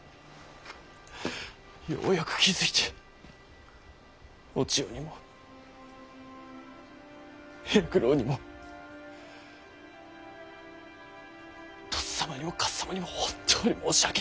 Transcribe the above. ようやく気付いてお千代にも平九郎にもとっさまにもかっさまにも本当に申し訳ねぇ。